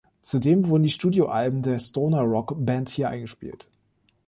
Zudem wurden die Studioalben der Stoner-Rock Band hier eingespielt.